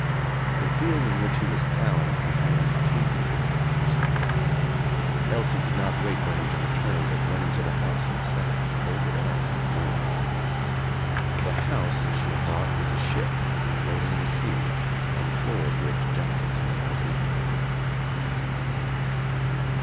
The field in which he was ploughing contained two hundred acres. Elsie did not wait for him to return but went into the house and sat with folded arms in a room. The house she thought was a ship floating in a sea on the floor of which giants went up and down.